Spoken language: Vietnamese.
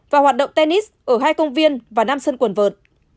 và hoạt động tennis ở hai công viên và nam sân quần vợt